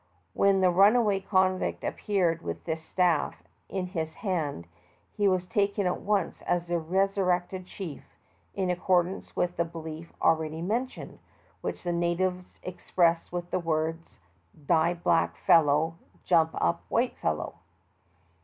When the runaway convict appeared with this staff in his hand he was taken at once as the resurrected chief, in accordance with the belief already mentioned, which the natives express with the words: "Die black fellow, jump up white fellow."